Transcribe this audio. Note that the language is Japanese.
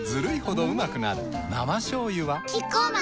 生しょうゆはキッコーマン